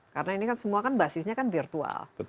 karena ini semua kan basisnya kan virtual